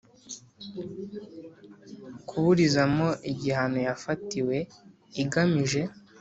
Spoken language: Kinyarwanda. kuburizamo igihano yafatiwe igamije